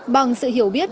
bằng sự hiểu biết